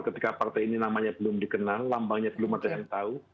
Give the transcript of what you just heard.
ketika partai ini namanya belum dikenal lambangnya belum ada yang tahu